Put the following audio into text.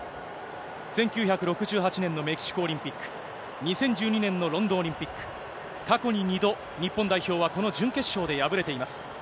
１９６８年のメキシコオリンピック、２０１２年のロンドンオリンピック、過去に２度、日本代表はこの準決勝で敗れています。